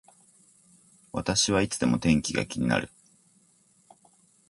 私はいつでも天気が気になる